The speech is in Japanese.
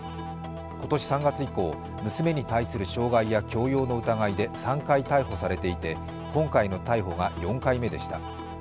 今年３月以降、娘に対する傷害や強要の疑いで３回逮捕されていて、今回の逮捕が４回目でした。